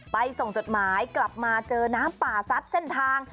ส่งจดหมายกลับมาเจอน้ำป่าซัดเส้นทาง